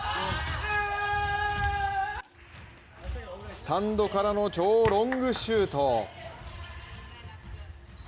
スタンドからの超ロングシュート！